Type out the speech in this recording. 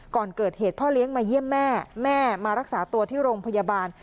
ก่อนเกิดเหตุพ่อเลี้ยงมาเยี่ยมแม่แม่มารักษาตัวที่โรงพยาบาล